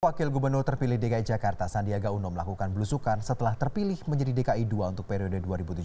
wakil gubernur terpilih dki jakarta sandiaga uno melakukan belusukan setelah terpilih menjadi dki dua untuk periode dua ribu tujuh belas dua ribu dua puluh